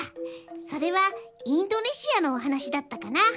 それはインドネシアのおはなしだったかな。